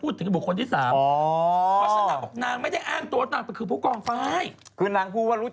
อเจมส์ใครจะไม่รู้จักว่าผู้กองไฟล์